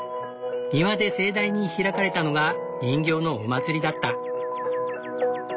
庭で盛大に開かれたのが人形のお祭りだった。